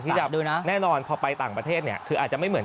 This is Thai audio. ขยับดูนะแน่นอนพอไปต่างประเทศเนี่ยคืออาจจะไม่เหมือนกัน